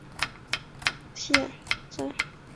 现为平湖秋月景点的一部分。